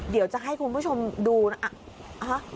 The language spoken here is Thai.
เดี๋ยวจะให้คุณผู้ชมดูนะ